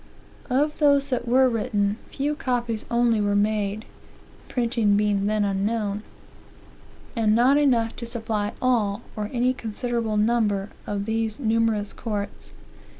Of those that werewritten, few copies only were made, (printing being then unknown,) and not enough to supply a11, or any considerable number, of these numerous courts.